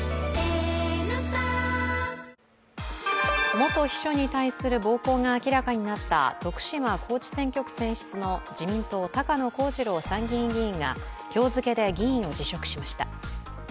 元秘書に対する暴行が明らかになった徳島・高知選挙区選出の自民党高野光二郎参議院議員が今日付で議員を辞職しました。